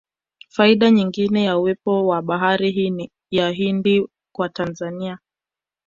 Faida nyingine ya uwepo wa bahari hii ya Hindi kwa Tanzania